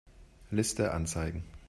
Liste anzeigen.